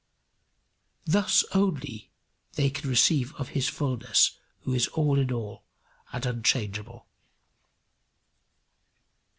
Thus only they can receive of his fulness who is all in all and unchangeable.